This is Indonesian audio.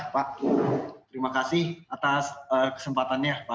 pak terima kasih atas kesempatannya pak